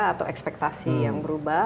atau ekspektasi yang berubah